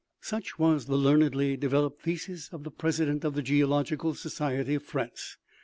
Such was the learnedly developed thesis of the president of the geological society of France.